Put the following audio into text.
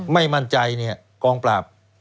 ไม่มั่นใจเนี่ยกองปราบ